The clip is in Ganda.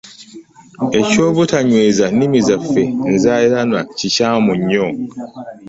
Ekyobutanyweza nnimi zaffe nzaaliranwa kikyamu nnyo.